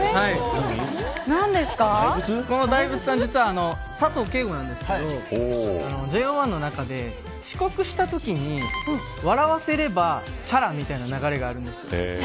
この大仏は実は佐藤景瑚なんですけどＪＯ１の中で遅刻したときに笑わせればチャラみたいな流れがあるんです。